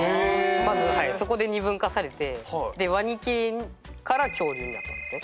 まずそこで２分化されてでワニ系から恐竜になったんですね。